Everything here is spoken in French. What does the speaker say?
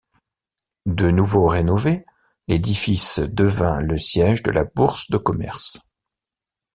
De nouveau rénové, l'édifice devint le siège de la Bourse de commerce.